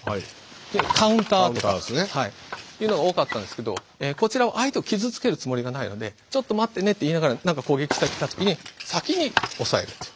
カウンターとかいうのが多かったんですけどこちらは相手を傷つけるつもりがないので「ちょっと待ってね」って言いながら何か攻撃してきた時に先に抑えるっていう。